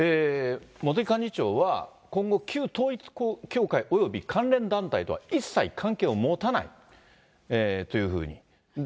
茂木幹事長は、今後、旧統一教会および関連団体とは一切関係を持たないというふうに。